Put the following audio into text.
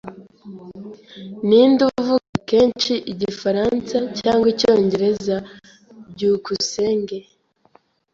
Ninde uvuga kenshi, Igifaransa cyangwa Icyongereza? byukusenge